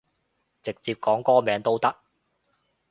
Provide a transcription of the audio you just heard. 直接講歌名都得